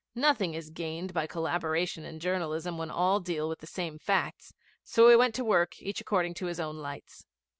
Nothing is gained by collaboration in journalism when all deal with the same facts, so we went to work each according to his own lights.